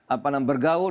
apa namanya bergaul